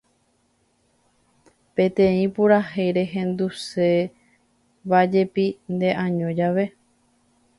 Peteĩ purahéi rehendusévajepi ne año jave